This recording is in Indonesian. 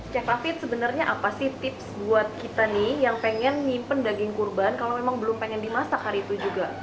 chef afid sebenarnya apa sih tips buat kita nih yang pengen nyimpen daging kurban kalau memang belum pengen dimasak hari itu juga